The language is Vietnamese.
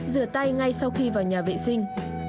rửa tay ngay sau khi vào nhà vệ sinh